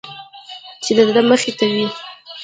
چې د ده مخې ته وي.